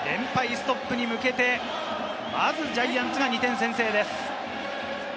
ストップに向けて、まずジャイアンツが２点先制です。